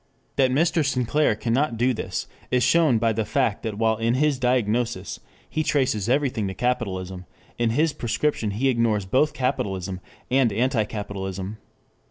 That Mr. Sinclair cannot do this, is shown by the fact that while in his diagnosis he traces everything to capitalism, in his prescription he ignores both capitalism and anti capitalism.